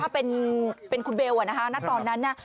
ถ้าเป็นคุณเบลณตอนนั้นน่ะ